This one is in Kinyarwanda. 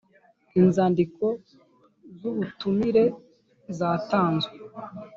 Inzandiko z ubutumire zatanzwe